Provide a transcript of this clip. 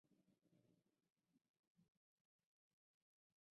附近设有秀茂坪警署及基督教联合医院。